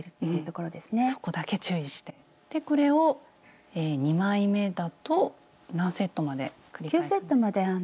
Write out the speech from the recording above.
そこだけ注意してでこれを２枚めだと何セットまで繰り返すんでしょうか？